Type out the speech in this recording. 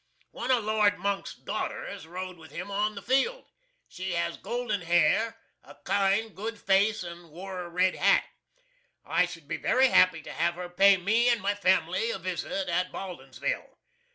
One of Lord MONK'S daughters rode with him on the field. She has golden hair, a kind, good face, and wore a red hat. I should be very happy to have her pay me and my family a visit at Baldinsville.